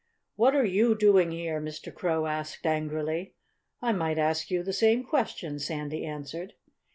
"What are you doing here?" Mr. Crow asked angrily. "I might ask you the same question," Sandy answered.